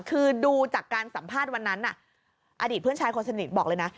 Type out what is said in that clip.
คือดูจากการสัมภาษณ์วันนั้นอดีตเพื่อนชายคนสนิทบอกเลยนะ